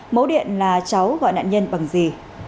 mấu điện là cháu gọi nạn nhân bằng gì